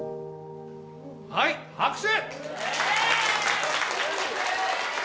はい拍手！